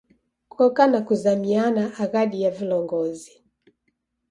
Koka na kuzamiana aghadi ya vilongozi.